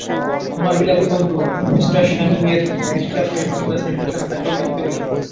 আমার বিলাতী বন্ধু মি শ্যামিএর, ব্যারিষ্টার হয়ে মান্দ্রাজে এসেছেন, তাঁকেও দেখতে পেলেম।